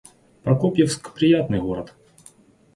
Прокопьевск — приятный город